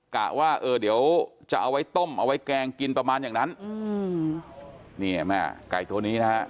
กะว่าเออเดี๋ยวจะเอาไว้ต้มเอาไว้แกงกินประมาณอย่างนั้นอืมเนี่ยแม่ไก่ตัวนี้นะฮะ